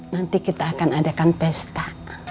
nanti kita akan adakan pesta